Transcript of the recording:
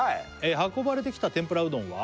「運ばれてきた天ぷらうどんは」